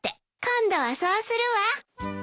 今度はそうするわ。